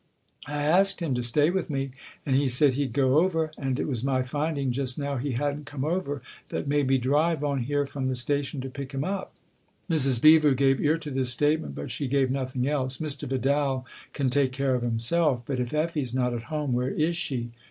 I asked him to stay with me, and he said he'd go over, and it was my finding just now he hadn't come over that made me drive on here from the station to pick him up." Mrs. Beever gave ear to this statement, but she gave nothing else. " Mr. Vidal can take care of himself; but if Effie's not at home, where is she?"